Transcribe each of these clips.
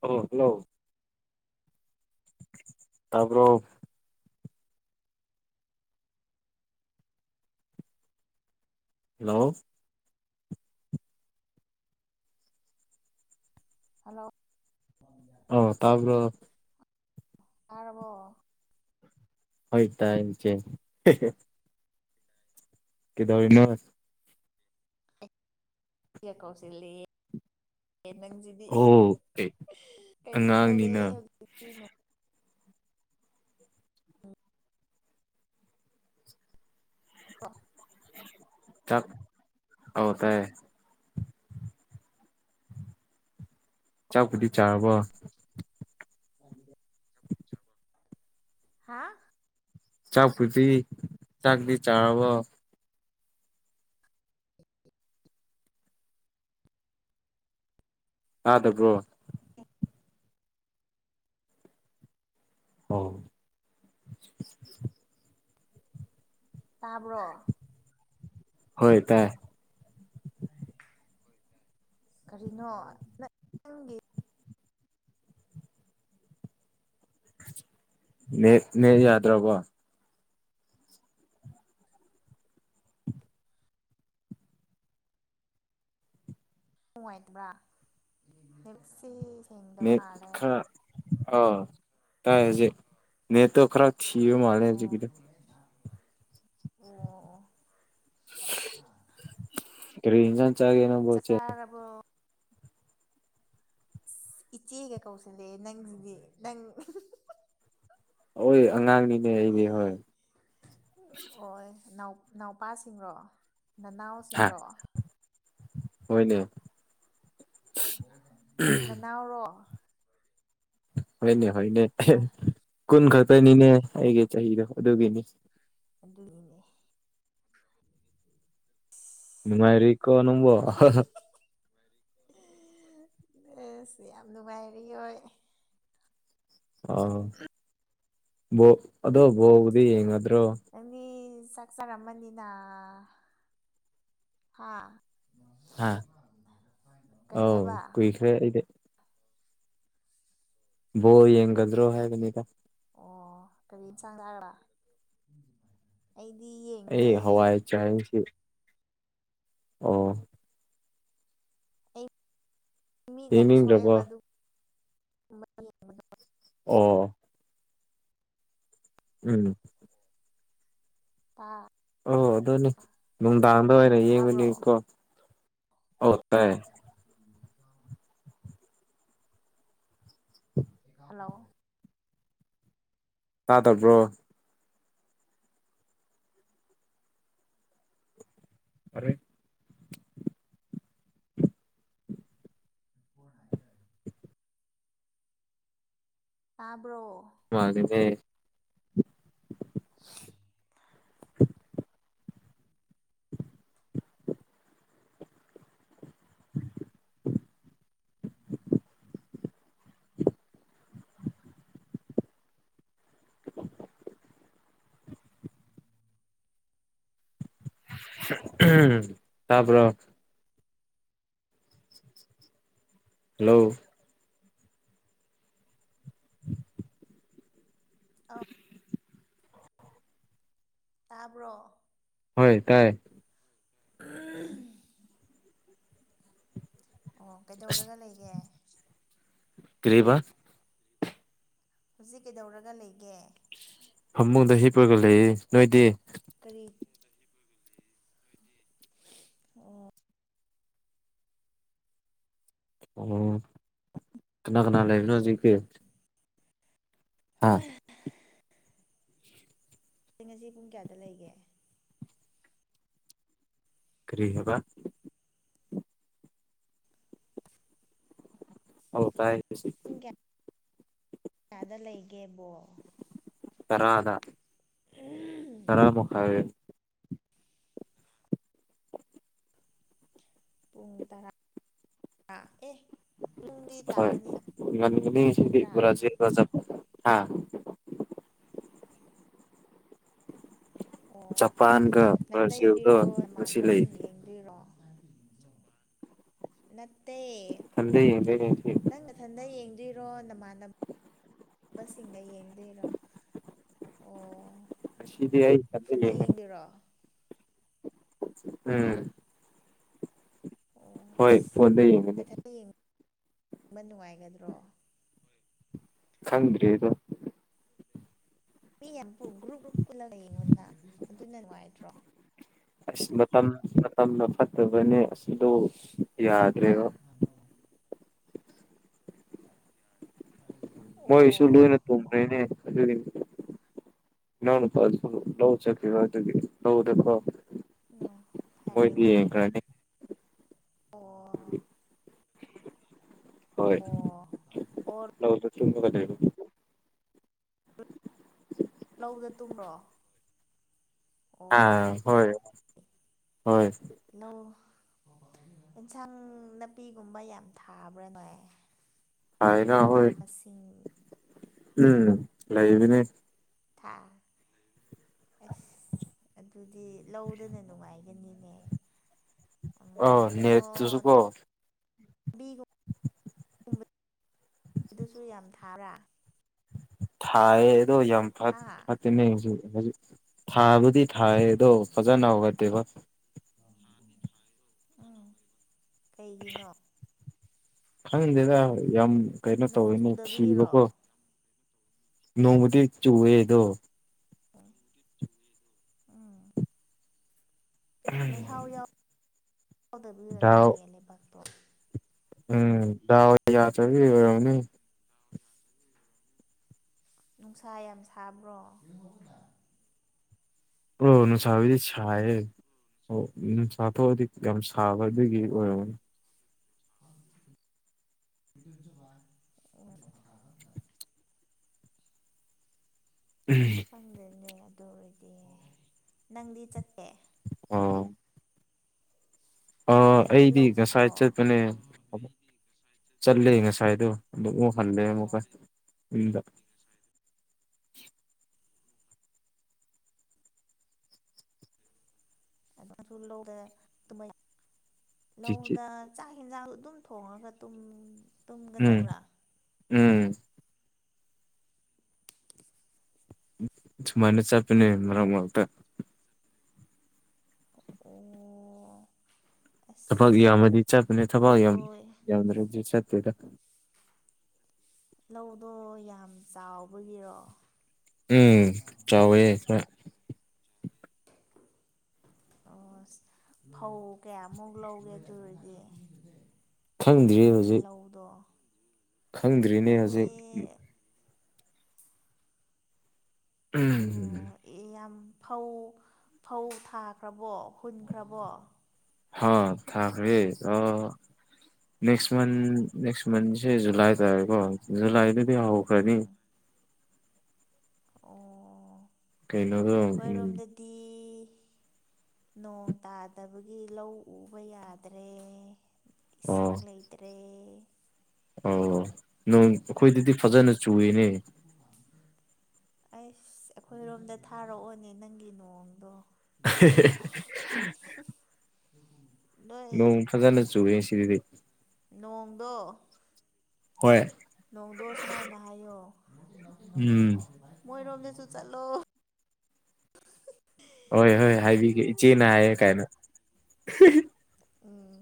hello hello ꯇꯥꯕ꯭ꯔꯣ hello hello ꯑꯣ ꯇꯥꯕ꯭ꯔꯣ ꯇꯥꯔꯕꯣ ꯍꯣꯏ ꯇꯥꯏ ꯏꯆꯦ ꯍꯦꯍꯦ ꯀꯩꯗꯧꯔꯤꯅꯣ [unintelligible] ꯑꯦ ꯅꯪꯁꯤꯗꯤ ꯑꯣ ꯑꯩ ꯀꯩꯁꯨ ꯇꯧꯔꯦ ꯑꯉꯥꯡꯅꯤꯅ ꯍꯧꯖꯤꯛꯇꯤ [inaudible] ꯆꯥꯛ ꯑꯧ ꯇꯥꯏꯑꯦ ꯆꯥꯛꯄꯨꯗꯤ ꯆꯥꯔꯕꯣ [inaudible] ꯍꯥ ꯆꯥꯛꯄꯨꯗꯤ ꯆꯥꯛꯇꯤ ꯆꯥꯔꯕꯣ ꯇꯗꯕ꯭ꯔꯣ ꯑꯣ ꯇꯥꯕ꯭ꯔꯣ ꯍꯣꯏ ꯇꯥꯏ ꯀꯔꯤꯅꯣ ꯅ ꯅꯪꯒꯤ ꯅꯦ ꯅꯦꯠ ꯌꯥꯗ꯭ꯔꯕꯣ ꯅꯨꯡꯉꯥꯏꯇꯕ꯭ꯔꯥ ꯅꯦꯠꯁꯤ ꯅꯦꯠ ꯈꯥꯔ ꯑꯥ ꯇꯥꯏ ꯍꯧꯖꯤꯛ ꯅꯦꯠꯇꯣ ꯈꯥꯔ ꯊꯤꯕ ꯃꯥꯂꯦ ꯑꯣ ꯑꯣ ꯍꯧꯖꯤꯛꯀꯤꯗꯣ ꯑꯣ [unintelligible] ꯀꯔꯤ ꯏꯟꯖꯥꯡ ꯆꯥꯒꯦ ꯅꯪꯕꯣ ꯏꯆꯦ ꯆꯥꯛꯆꯥꯔꯕꯣ ꯏꯁ ꯏꯆꯦꯒ ꯀꯧꯁꯤꯟꯂꯦ ꯅꯪꯁꯤꯗꯤ ꯅꯪ ꯑꯣꯏ ꯑꯉꯥꯡꯅꯤꯅꯦ ꯑꯩꯗꯤ ꯍꯣꯏ ꯑꯣꯏ ꯅꯥꯎ ꯅꯥꯎꯄꯁꯤꯡꯔꯣ ꯍꯥ ꯍꯣꯏꯅꯦ ꯅꯅꯥꯎꯔꯣ ꯍꯣꯏꯅꯦ ꯍꯣꯏꯅꯦ ꯍꯩꯃ ꯊꯤꯟ ꯀꯨꯟ ꯈꯛ ꯗꯨꯅꯤꯅꯦ ꯑꯩꯒꯤ ꯆꯍꯤꯗꯣ ꯑꯗꯨꯒꯤꯅꯤ ꯑꯗꯨꯒꯤꯅꯦ ꯅꯨꯉꯥꯏꯔꯤꯀꯣ ꯅꯪꯕꯣ ꯑꯥꯍ ꯑꯁ ꯌꯥꯝ ꯅꯨꯡꯉꯥꯏꯔꯤ ꯍꯣꯏ ꯑꯥ ꯕꯣ ꯑꯗꯣ ꯕꯣꯜꯗꯤ ꯌꯦꯡꯅꯗ꯭ꯔꯣ ꯅꯪꯗꯤ ꯆꯥꯛ ꯆꯔꯝꯃꯅꯤꯅ ꯍꯥ ꯍꯥ ꯀꯩ ꯑꯧ ꯍꯥꯏꯕ ꯀꯨꯏꯈ꯭ꯔꯦ ꯑꯩꯗꯤ ꯕꯣꯜ ꯌꯦꯡꯒꯗ꯭ꯔꯣ ꯍꯥꯏꯕꯅꯤꯗ ꯑꯣ ꯀꯔꯤ ꯏꯟꯁꯥꯡ ꯆꯥꯔꯕ ꯑꯩꯗꯤ ꯑꯩ ꯌꯦꯡꯗꯦ ꯍꯋꯥꯏ ꯆꯥꯏꯑꯦ ꯁꯤ ꯑꯣ ꯑꯩ ꯃꯤꯠ ꯌꯥꯝ ꯌꯦꯡꯅꯤꯡꯗ꯭ꯔꯕꯣ ꯁꯣꯛꯑꯦꯕ ꯑꯗꯨ [unintelligible] ꯑꯣ ꯎꯝ ꯇꯥ ꯑꯣ ꯑꯗꯨꯅꯤ ꯅꯨꯡꯗꯥꯡꯗ ꯑꯣꯏꯅ ꯇꯥꯕ꯭ꯔꯣ ꯌꯦꯡꯕꯅꯤꯀꯣ ꯑꯣꯠ ꯇꯥꯢ ꯍꯜꯂꯣ ꯇꯥꯗꯕ꯭ꯔꯣ ꯐꯔꯦ ꯇꯥꯕ꯭ꯔꯣ ꯃꯥꯅꯤꯅꯦ [unintelligible] ꯑꯍꯝ ꯇꯥꯕ꯭ꯔꯣ ꯍꯂꯣ ꯑꯧ ꯇꯥꯕ꯭ꯔꯣ ꯍꯣꯏ ꯇꯥꯏ ꯎꯝ ꯑꯣ ꯀꯩꯗꯧꯔꯒ ꯂꯩꯒꯦ ꯀ꯭ꯔꯤꯕ ꯍꯧꯖꯤꯛ ꯀꯩꯗꯧꯔꯒ ꯂꯩꯒꯦ ꯐꯃꯨꯡꯗ ꯍꯤꯞꯄꯒ ꯂꯩꯌꯦ ꯅꯣꯏꯗꯤ ꯀꯔꯤ [unintelligible] ꯑꯣ ꯑꯣ ꯀꯅꯥ ꯀꯅꯥ ꯂꯩꯕꯅꯣ ꯅꯥꯔꯦꯗ ꯍꯨꯖꯤꯛꯇꯤ [unintelligible] ꯑꯩ ꯉꯁꯤ ꯄꯨꯡ ꯀꯌꯥꯗ ꯂꯩꯒꯦ ꯀ꯭ꯔꯤ ꯍꯥꯢꯕ ꯑꯧ ꯇꯥꯢ ꯍꯨꯖꯤꯛ ꯄꯨꯡ ꯀꯌꯥ ꯀꯌꯥꯗ ꯂꯩꯒꯦ ꯕꯣꯜ ꯇꯔꯥꯗ ꯇꯔꯥꯃꯈꯥꯢ ꯄꯨꯡ ꯇꯔꯥ ꯑꯥ ꯑꯦ ꯄꯨꯡꯗꯤ ꯍꯣꯢ ꯇꯥꯔꯅꯤ ꯉꯟꯒꯅꯤ ꯉꯁꯤꯗꯤ ꯅꯠꯇ꯭ꯔꯥ ꯕ꯭ꯔꯖꯤꯜꯒ ꯖꯄ ꯍꯥꯥ ꯑꯣ ꯖꯄꯥꯟꯒ ꯉꯟꯅ ꯕ꯭ꯔꯥꯖꯤꯜꯗꯣ ꯌꯦꯡꯗꯣꯢꯔꯣ ꯉꯁꯤ ꯂꯩ ꯅꯃꯥꯟꯕꯁꯤꯡ ꯌꯦꯡꯗꯣꯏꯔꯣ ꯅꯠ ꯊꯟꯗ ꯌꯦꯡꯗꯣꯢꯅꯦ ꯉꯁꯤ ꯅꯊꯟꯗ [unintelligible] ꯕꯁꯤꯡꯒ ꯌꯦꯡꯗꯣꯏꯔꯣ ꯑꯣ ꯉꯁꯤꯗꯤ ꯑꯩ ꯏꯊꯟꯇ ꯐꯣꯟꯗ ꯌꯦꯡꯒꯅꯤ ꯌꯦꯡꯗꯣꯏꯔꯣ ꯍꯥ ꯎꯝ ꯑꯣ ꯍꯣꯏ ꯐꯣꯟꯗ ꯌꯦꯡꯒꯅꯤ ꯕ ꯅꯨꯡꯉꯥꯏꯒꯗ꯭ꯔꯣ ꯈꯪꯗ꯭ꯔꯤ ꯑꯗꯣ ꯃꯤ ꯌꯥꯝ ꯒ꯭ꯔꯨꯞ ꯒ꯭ꯔꯨꯞ ꯄꯨꯜꯂꯒ ꯌꯦꯡꯉꯣꯗꯅꯥ ꯑꯗꯨꯅ ꯅꯨꯡꯉꯥꯏꯇ꯭ꯔꯣ ꯑꯁ ꯃꯇꯝ ꯃꯇꯝꯅ ꯐꯠꯇꯕꯅꯦ ꯑꯁ ꯗꯨ ꯍꯥ ꯌꯥꯗ꯭ꯔꯦꯕ ꯑꯣ ꯃꯣꯏꯁꯨ ꯂꯣꯏꯅ ꯊꯣꯡꯈ꯭ꯔꯦꯅꯦ ꯑꯗꯨꯒꯤ ꯏꯅꯥꯎꯅꯨꯄꯥꯖꯨ ꯂꯧ ꯆꯠꯈꯤꯕ ꯑꯗꯨꯒꯤ ꯂꯧꯗꯀꯣ ꯅꯣ ꯃꯣꯏꯗꯤ ꯐꯔꯦꯅꯦ ꯌꯦꯡꯒ꯭ꯔꯥꯅꯤ ꯑꯣ ꯍꯣꯏ ꯑꯣ ꯑꯣ ꯂꯧ ꯗ ꯇꯨꯝꯒꯗꯣꯏꯅꯦ ꯂꯧꯗ ꯇꯨꯝꯕ꯭ꯔꯣ ꯑꯣ ꯑꯥ ꯍꯣꯏ ꯍꯣꯏ ꯑꯦꯟꯁꯥꯡ ꯅꯄꯤꯒꯨꯝꯕ ꯌꯥꯝ ꯊꯥꯕ꯭ꯔꯥ ꯅꯣꯏ ꯍꯥꯏꯅ ꯃꯅꯥ ꯍꯣꯏ ꯃꯁꯤꯡ ꯎꯝ ꯂꯩꯕꯅꯦ ꯊꯥ ꯑꯁ ꯑꯗꯨꯗꯤ ꯂꯧꯗꯅ ꯅꯨꯡꯉꯥꯏꯒꯅꯤꯅꯦ ꯑꯥ ꯅꯦꯠ ꯇꯨꯁꯨ ꯀꯣ ꯕꯤ [inaudible] ꯒꯨꯝꯕ ꯑꯗꯨꯁꯨ ꯌꯥꯝ ꯊꯥꯕ꯭ꯔꯥ ꯊꯥꯏꯌꯦ ꯑꯗꯣ ꯌꯥꯝ ꯐꯠ ꯍꯥ ꯐꯠꯇꯦꯅꯦ ꯍꯨꯖꯤꯛ [unintelligible] ꯊꯥꯕꯨꯗꯤ ꯊꯥꯏ ꯑꯦꯗꯣ ꯐꯖꯅ ꯍꯧꯒꯠꯇꯦꯕ ꯍꯥꯟꯅꯗꯤ ꯊꯥꯏꯌꯦꯕ ꯑꯥ ꯀꯩꯒꯤꯅꯣ ꯈꯪꯗꯦꯗꯥ ꯌꯥꯝ ꯀꯩꯅꯣ ꯅꯣꯡ ꯇꯧꯋꯦꯅꯦ ꯆꯨꯗꯕꯒꯤꯔꯣ ꯊꯤꯕꯀꯣ ꯅꯣꯡꯕꯨꯗꯤ ꯆꯨꯋꯦꯗꯣ ꯅꯣꯡꯕꯨꯗꯤ ꯆꯨꯋꯦ ꯑꯗꯨ ꯑꯥ ꯂꯩꯍꯥꯎ ꯌꯥꯎ ꯌꯥꯎꯗꯕꯤ ꯗꯥꯎ ꯑꯣꯏꯔꯝꯅꯤꯌꯦ ꯂꯩꯕꯥꯛ ꯎꯝ ꯗꯥꯎ ꯌꯥꯗꯕꯤ ꯑꯣꯏꯔꯝꯅꯤ ꯅꯨꯡꯁꯥ ꯌꯥꯝ ꯁꯥꯕ꯭ꯔꯣ ꯎꯝ ꯅꯨꯡꯁꯥꯕꯨꯗꯤ ꯁꯥꯏꯌꯦ ꯑꯣ ꯅꯨꯁꯥ ꯊꯣꯛꯑꯗꯤ ꯌꯥꯝ ꯁꯥꯕ ꯑꯗꯨꯒꯤ ꯑꯣꯏꯔꯝꯒꯅꯤ [unintelligible] ꯈꯪꯗꯦꯅꯦ ꯑꯗꯣ ꯑꯣꯏꯔꯗꯤ ꯅꯪꯗꯤ ꯆꯠꯇꯦ ꯑꯣ ꯑꯥ ꯅꯪꯗꯤ ꯑꯩꯗꯤ ꯂꯧ ꯉꯁꯥꯏ ꯆꯠꯇ꯭ꯔꯣ ꯆꯠꯄꯅꯦ ꯆꯠꯂꯦ ꯉꯁꯥꯏꯗꯣ ꯑꯗꯨ ꯑꯃꯨꯛ ꯍꯜꯂꯦ ꯑꯣ ꯑꯃꯨꯛꯀ ꯌꯨꯝꯗ ꯑꯗꯨ ꯂꯧꯗ ꯑꯗꯨꯃꯥꯏ ꯆꯤꯆꯤ ꯂꯧꯗ ꯆꯥꯏ ꯍꯦꯟꯖꯥꯡ ꯑꯗꯨꯝ ꯊꯣꯡꯉꯒ ꯇꯨꯝ ꯎꯝ ꯇꯨꯝꯒꯗꯕ꯭ꯔꯥ ꯎꯝ ꯁꯨꯃꯥꯏꯅ ꯆꯠꯄꯅꯦ ꯃꯔꯛ ꯃꯔꯛꯇ ꯑꯣ ꯊꯕꯛ ꯑꯁ ꯌꯥꯝꯃꯗꯤ ꯆꯠꯄꯅꯦ ꯊꯕꯛ ꯌꯥꯝ ꯂꯧꯗꯣ ꯌꯥꯝꯗ꯭ꯔꯗꯤ ꯆꯠ ꯇꯦꯗꯥ ꯂꯧꯗꯣ ꯌꯥꯝ ꯆꯥꯎꯕꯒꯤꯔꯣ ꯎꯝ ꯆꯥꯎꯋꯦ ꯈꯔ [inaudible] ꯑꯁ ꯐꯧ ꯀꯌꯥꯃꯨꯛ ꯂꯧꯒꯦ ꯑꯗꯨꯑꯣꯏꯔꯗꯤ ꯈꯪꯗ꯭ꯔꯤ ꯅꯣꯏꯒꯤ ꯍꯧꯖꯤꯛ ꯂꯧꯗꯣ ꯈꯪꯗ꯭ꯔꯤꯅꯦ ꯑꯩꯗꯤ ꯍꯧꯖꯤꯛ ꯑꯣ ꯎꯝ ꯌꯥꯝ ꯐꯧ ꯐꯧ ꯊꯥꯈ꯭ꯔꯕꯣ ꯍꯨꯟꯈ꯭ꯔꯕꯣ ꯍꯥ ꯊꯥꯈ꯭ꯔꯦ ꯑꯥ ꯅꯦꯛꯁ ꯃꯟ ꯅꯦꯛꯁ ꯃꯟꯖꯦ ꯖꯨꯂꯥꯏ ꯇꯥꯔꯦꯀꯣ ꯖꯨꯂꯥꯏꯗꯗꯤ ꯍꯧꯈ꯭ꯔꯥꯅꯤ ꯎꯝ ꯑꯣ ꯀꯩꯅꯣꯗꯣ ꯎꯝ ꯑꯩꯈꯣꯏꯔꯣꯝꯗꯗꯤ ꯅꯣꯡ ꯇꯥꯗꯕꯒꯤ ꯂꯧ ꯎꯕ ꯌꯥꯗ꯭ꯔꯦ ꯑꯣ ꯏꯁꯤꯡ ꯂꯩꯇ꯭ꯔꯦ ꯑꯣ ꯅꯣꯡ ꯑꯈꯣꯏꯗꯗꯤ ꯐꯖꯅ ꯆꯨꯌꯦꯅꯦ ꯑꯩꯁ ꯑꯩꯈꯣꯏꯔꯣꯝꯗ ꯊꯥꯔꯛꯑꯣꯅꯦ ꯅꯪꯒꯤ ꯅꯣꯡꯗꯣ ꯑꯍꯦ ꯍꯦ ꯍꯦ ꯅꯣꯏ ꯅꯣꯡ ꯐꯖꯅ ꯆꯨꯏꯌꯦ ꯁꯤꯗꯗꯤ ꯅꯣꯡꯗꯣ ꯍꯣꯏ ꯅꯣꯡꯗꯣ ꯁꯨꯃꯥꯏꯅ ꯍꯥꯏꯌꯣ ꯎꯝ ꯃꯣꯏꯔꯣꯝꯗ ꯖꯨ ꯆꯠꯂꯣ ꯍꯣꯏ ꯍꯣꯏ ꯍꯥꯏꯕꯤꯒꯦ ꯏꯆꯦꯅ ꯍꯥꯏꯌꯦ ꯀꯥꯏꯅ ꯍꯤ ꯍꯤ ꯎꯝ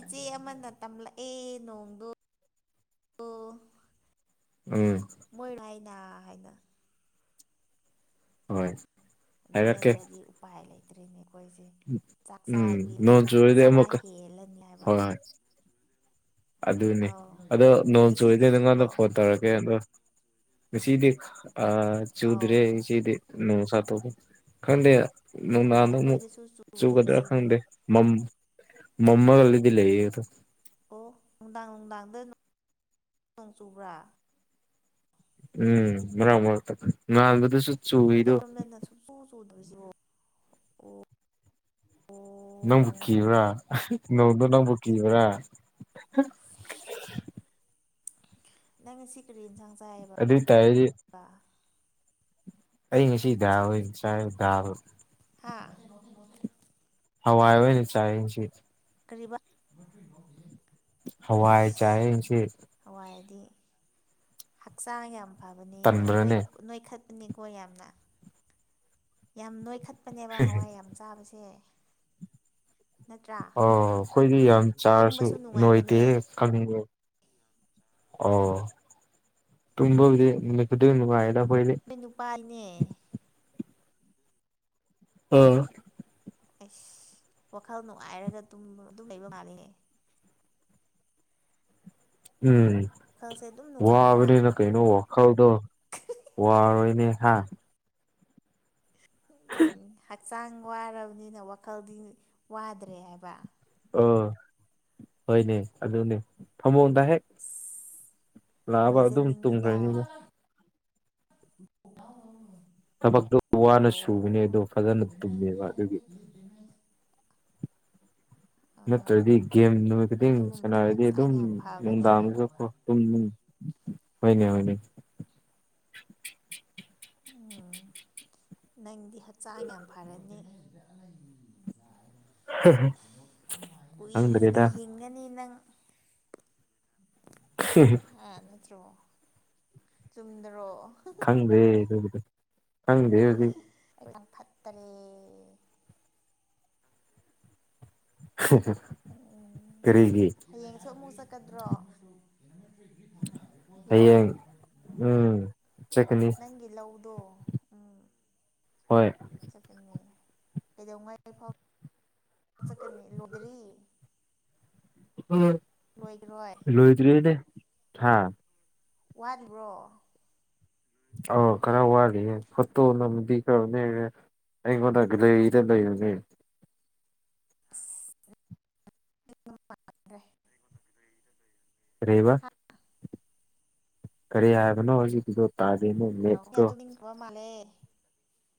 ꯏꯆꯦ ꯑꯃꯅ ꯇꯝꯂꯛꯑꯦ ꯅꯣꯡꯗꯣ ꯗꯣ ꯎꯝ ꯅꯥ ꯍꯥꯏꯅ ꯍꯣꯏ ꯑꯗꯨ ꯍꯥꯏꯔꯛꯀꯦ ꯅꯠꯇ꯭ꯔꯗꯤ ꯎꯄꯥꯏ ꯂꯩꯇ꯭ꯔꯦꯅꯦ ꯈꯣꯏꯖꯦ ꯆꯥꯛ ꯎꯝ ꯆꯥꯕꯤ ꯅꯣꯡ ꯆꯨꯔꯗꯤ ꯆꯔꯥ ꯑꯃꯨꯛꯀ ꯍꯦꯜꯂꯅꯤ ꯍꯥꯏꯕꯥ ꯍꯣꯏ ꯍꯣꯏ ꯑꯗꯨꯅꯦ ꯑꯗꯣ ꯅꯣꯡ ꯆꯨꯔꯗꯤ ꯉꯁꯤꯗꯤ ꯆꯨꯕ꯭ꯔꯣ ꯅꯪꯉꯣꯟꯗ ꯐꯣꯟ ꯇꯧꯔꯛꯀꯦ ꯑꯗꯣ ꯉꯁꯤꯗꯤ ꯑꯥ ꯑꯧ ꯆꯨꯗ꯭ꯔꯦ ꯏꯆꯦꯗꯤ ꯅꯣꯡ ꯇꯥꯊꯣꯛꯀꯣ ꯈꯪꯗꯦ ꯑꯣ ꯅꯨꯡꯗꯥꯡꯗ ꯑꯃꯨꯛ ꯑꯩꯈꯣꯏꯗꯁꯨ ꯆꯨꯗꯦ ꯆꯨꯒꯗ꯭ꯔꯥ ꯁꯤꯗꯤ ꯈꯪꯗꯦ ꯃꯝ ꯃꯃꯜꯑꯗꯤ ꯂꯩꯌꯦꯗꯣ ꯑꯣ ꯅꯨꯡꯗꯥꯡ ꯅꯨꯡꯗꯥꯡꯗ ꯅꯣꯡ ꯆꯨꯕ꯭ꯔꯥ ꯎꯝ ꯃꯔꯛ ꯃꯔꯛꯇ ꯉꯥꯟꯕꯗꯁꯨ ꯇꯧꯔꯝꯗꯅ ꯁꯨꯡꯆꯨ ꯆꯨꯗ꯭ꯔꯤꯁꯤꯕꯣ ꯑꯣ ꯑꯣ ꯅꯪꯕꯨ ꯀꯤꯕ꯭ꯔꯥ ꯅꯣꯡꯗꯣ ꯅꯪꯕꯨ ꯀꯤꯕ꯭ꯔꯥ [inaudible] ꯅꯪ ꯉꯁꯤ ꯀ꯭ꯔꯤ ꯍꯦꯟꯁꯥꯡ ꯑꯗꯨ ꯇꯥꯏꯌꯦꯗꯤ ꯑꯩ ꯉꯁꯤ ꯗꯥꯎ ꯍꯩ ꯆꯥꯏ ꯗꯥꯕ ꯍꯥ ꯍꯋꯥꯏ ꯑꯣꯏꯅ ꯆꯥꯏꯌꯦ ꯉꯁꯤꯗꯤ ꯀꯔꯤꯕꯥ ꯍꯋꯥꯏ ꯆꯥꯏꯌꯦ ꯉꯁꯤ ꯍꯋꯥꯏꯗꯤ ꯍꯛꯆꯥꯡ ꯌꯥꯝ ꯐꯕꯅꯦ ꯅꯣꯏ ꯇꯟꯕ꯭ꯔꯅꯦ ꯅꯣꯏꯈꯠ ꯅꯤꯀꯣ ꯌꯥꯝꯅ ꯌꯥꯝ ꯅꯣꯏꯈꯠꯄꯅꯦꯕꯥ ꯍꯋꯥꯏ ꯌꯥꯝ ꯆꯥꯕꯁꯦ ꯅꯠꯇ꯭ꯔꯥ ꯑꯣ ꯈꯣꯏꯗꯤ ꯌꯥꯝ ꯆꯥꯔꯁꯨ ꯇꯨꯝꯕꯁꯨ ꯅꯣꯏꯗꯦ ꯅꯨꯡꯉꯥꯏꯕꯅꯦ ꯈꯪꯉꯦ ꯑꯣ ꯇꯨꯝꯕꯝꯗꯤ ꯅꯨꯃꯤꯠ ꯈꯨꯗꯤꯡꯒꯤ ꯅꯨꯉꯥꯏꯑꯦꯗꯥ ꯅꯣꯏ ꯅꯨꯄꯥꯅꯦ ꯑ ꯑꯁ ꯋꯥꯈꯜ ꯅꯨꯡꯉꯥꯏꯔꯒ ꯗꯨꯝ ꯑꯗꯨꯝ ꯂꯩꯕ ꯃꯥꯜꯂꯦ ꯎꯝ ꯋꯥꯈꯜꯁꯦ ꯑꯗꯨꯝ ꯅꯨꯡꯉꯥꯏꯕ꯭ꯔꯥ ꯋꯥꯕꯅꯤꯅ ꯀꯩꯅꯣ ꯋꯥꯈꯜꯗꯣ ꯋꯥꯔꯣꯏꯅꯦ ꯍꯥꯥ ꯍꯍꯤ ꯆꯥꯡ ꯋꯥꯔꯕꯅꯤꯅ ꯋꯥꯈꯜꯗꯤ ꯋꯥꯗ꯭ꯔꯦ ꯍꯥꯏꯕ ꯑ ꯍꯣꯏꯅꯦ ꯑꯗꯨꯅꯦ ꯐꯃꯨꯡꯗ ꯍꯦꯛ ꯑꯁ ꯂꯥꯛꯑꯕ ꯑꯗꯨꯝ ꯑꯣꯏꯖꯅꯤꯡꯉꯤꯗ ꯇꯨꯝꯈ꯭ꯔꯅꯤꯗ [unintelligible] ꯊꯕꯛꯇꯣ ꯋꯥꯅ ꯁꯨꯕꯅꯦ ꯑꯣ ꯑꯗꯣ ꯐꯖꯅ ꯇꯨꯝꯃꯦꯕ ꯑꯗꯨꯒꯤ ꯑꯥ ꯅꯠꯇ꯭ꯔꯥꯗꯤ ꯒꯦꯝ ꯅꯨꯃꯤꯠ ꯈꯨꯗꯤꯡ ꯑꯗꯨꯒꯨꯝꯕꯗꯣ ꯁꯥꯟꯅꯔꯗꯤ ꯍꯛꯆꯥꯡ ꯑꯗꯨꯝ ꯌꯥꯝ ꯐꯕꯅꯦ ꯅꯨꯡꯗꯥꯡꯁꯨ ꯀꯣ ꯇꯨꯝꯅꯤꯡ ꯍꯣꯢꯅꯦ ꯍꯣꯢꯅꯦ ꯎꯝ ꯅꯪꯗꯤ ꯍꯛꯆꯥꯡ ꯌꯥꯝ ꯐꯔꯅꯤ ꯀꯨꯏꯅ ꯈꯪꯗ꯭ꯔꯦꯗ ꯍꯤꯡꯒꯅꯤ ꯅꯪ ꯑꯍꯍ ꯍꯥ ꯅꯠꯇ꯭ꯔꯣ ꯆꯨꯝꯗꯔꯣ ꯈꯪꯗ꯭ꯔꯦ ꯗꯨꯒꯤꯗꯣ ꯈꯪꯗꯦ ꯍꯧꯖꯤꯛ ꯌꯥꯝ ꯐꯠꯇ꯭ꯔꯦ ꯀꯔꯤꯒꯤ ꯇꯟꯗ꯭ꯔꯣ ꯍꯌꯦꯡ ꯎꯝ ꯆꯠꯀꯅꯤ ꯗꯣ ꯎꯝ ꯍꯣꯏ ꯆꯠꯀꯅꯤ ꯀꯩꯗꯧꯉꯥꯏꯐꯥꯎ ꯆꯀꯅꯤ ꯂꯣꯗ꯭ꯔꯤ ꯑꯝ ꯂꯣꯏꯈꯔꯣꯏ ꯂꯣꯏꯗ꯭ꯔꯤꯅꯦ ꯍꯥ ꯋꯥꯠꯂꯤꯕ꯭ꯔꯣ ꯑꯣ ꯈꯔ ꯋꯥꯂꯤꯌꯦ [unintelligible] ꯑꯩꯉꯣꯟꯗ ꯒꯔꯤꯗ ꯂꯩꯔꯝꯃꯦ ꯥ [unintelligible] [inaudible] ꯀꯔꯤꯕ ꯀꯔꯤ ꯍꯥꯏꯕꯅꯣ ꯍꯨꯖꯤꯛꯀꯤꯗꯨ ꯍꯜꯂꯣ ꯌꯥꯝ ꯇꯨꯝꯅꯤꯡꯈ꯭ꯔꯥꯕ ꯃꯥꯜꯂꯦ